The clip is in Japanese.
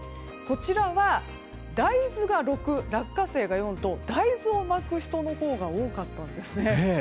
こちらは、大豆が６落花生が４と大豆をまく人のほうが多かったんですね。